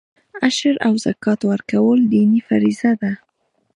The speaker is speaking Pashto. عشر او زکات ورکول دیني فریضه ده.